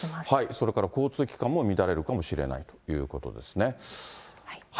それから交通機関も乱れるかもしれないということですね。